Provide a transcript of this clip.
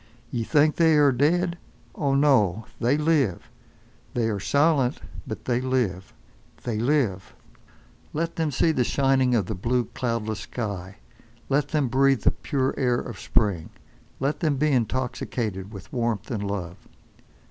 Ye think they are dead! Oh, no! they live! They are silent, but they live. They live! Let them see the shining of the blue, cloudless sky, let them breathe the pure air of spring, let them be intoxicated with warmth and love.